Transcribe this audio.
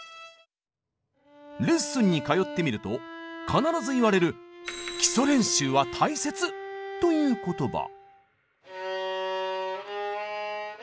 レッスンに通ってみると必ず言われるという言葉。